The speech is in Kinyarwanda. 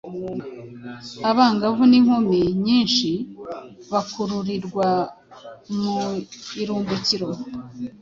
abangavu n’inkumi nyinshi bakururirwa mu irimbukiro.